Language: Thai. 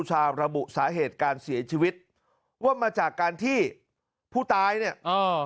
ระบุสาเหตุการเสียชีวิตว่ามาจากการที่ผู้ตายเนี่ยเออ